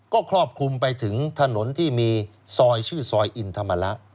ก็ครอบคลุมไปถึงถนนที่มีซอยชื่อซอยอินธรรมระ